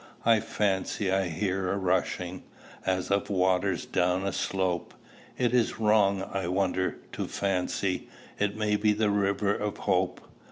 "I fancy I hear a rushing As of waters down a slope: Is it wrong, I wonder, to fancy It may be the river of hope?